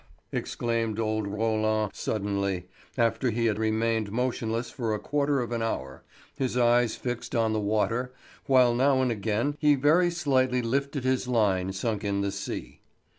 exclaimed old Roland suddenly, after he had remained motionless for a quarter of an hour, his eyes fixed on the water, while now and again he very slightly lifted his line sunk in the sea.